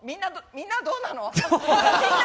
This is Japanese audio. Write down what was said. みんなどうなの？